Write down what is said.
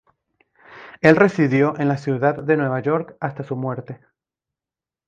Él residió en la ciudad de Nueva York hasta su muerte.